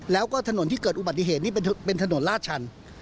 แล้วก็ถนนที่เกิดอุบัติเหตุนี่เป็นถนนลาดชัน